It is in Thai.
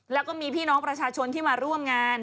แล้วก็มีพี่น้องประชาชนที่มาร่วมงาน